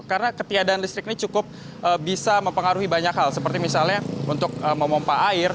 karena ketiadaan listrik ini cukup bisa mempengaruhi banyak hal seperti misalnya untuk memompak air